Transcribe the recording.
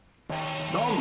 ドン。